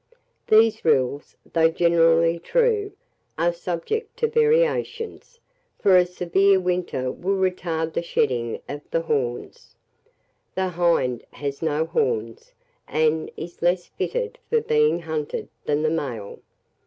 These rules, though generally true, are subject to variations; for a severe winter will retard the shedding of the horns. The HIND has no horns, and is less fitted for being hunted than the male.